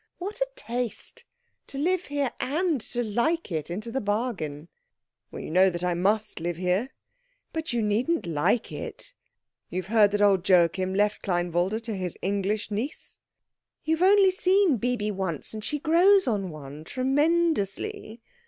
What a taste, to live here and to like it into the bargain!" "You know that I must live here." "But you needn't like it." "You've heard that old Joachim left Kleinwalde to his English niece?" "You have only seen Bibi once, and she grows on one tremendously."